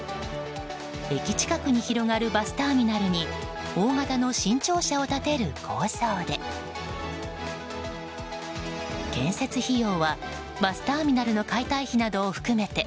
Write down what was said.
駅近くに広がるバスターミナルに大型の新庁舎を建てる構想で建設費用は、バスターミナルの解体費などを含めて